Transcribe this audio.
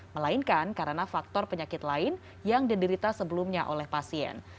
melainkan karena faktor penyakit lain yang diderita sebelumnya oleh pasien